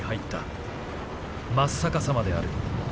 真っ逆さまである。